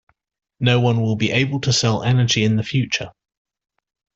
No one will be able to sell energy in the future.